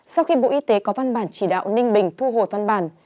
sau khi bộ y tế có văn bản chỉ đạo ninh bình thu hồi văn bản